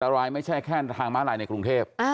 รายไม่ใช่แค่ทางม้าลายในกรุงเทพ